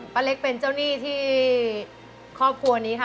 เล็กเป็นเจ้าหนี้ที่ครอบครัวนี้ค่ะ